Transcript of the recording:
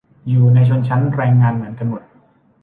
อยู่ในชนชั้นแรงงานเหมือนกันหมด